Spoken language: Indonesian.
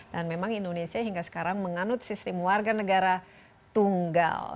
dan memang indonesia hingga sekarang menganut sistem warga negara tunggal